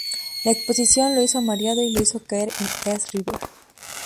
La exposición lo hizo mareado y lo hizo caer en el East River.